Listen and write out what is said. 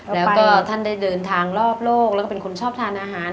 แล้วก็ท่านได้เดินทางรอบโลกแล้วก็เป็นคนชอบทานอาหาร